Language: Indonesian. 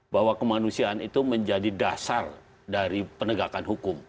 bahwa kemanusiaan itu menjadi dasar dari penegakan hukum